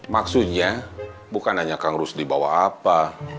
maksudnya bukan nanya kang rusdi bawa apa